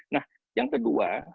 nah yang kedua